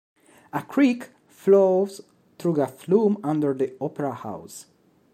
A creek flows through a flume under the Opera House.